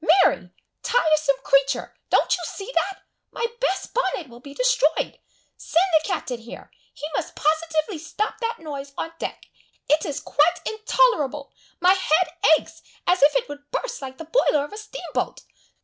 Mary! Tiresome creature! don't you see that? My best bonnet will be destroyed! Send the Captain here! He must positively stop that noise on deck; it is quite intolerable. My head aches, as if it would burst like the boiler of a steam boat!